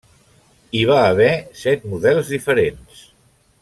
Hi va haver set models diferents.